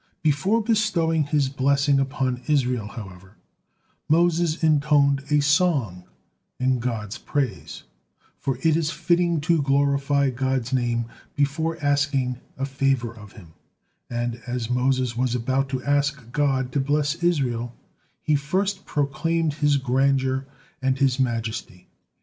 Before bestowing his blessing upon Israel, however, Moses intoned a song in God's praise, for it is fitting to glorify God's name before asking a favor of Him, and as Moses was about to ask God to bless Israel, he first proclaimed His grandeur and His majesty.